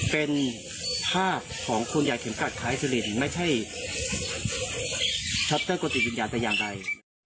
เป็นภาพของคุณยายเข็มขัดคล้ายสุรินไม่ใช่ชัตเตอร์กุฏิวิญญาณแต่อย่างใด